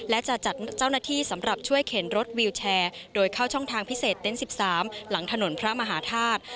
และจะจัดเจ้าหน้าที่สำหรับช่วยเข็นรถวิวแชร์โดยเข้าช่องทางพิเศษเต็นต์๑๓หลังถนนพระมหาธาตุ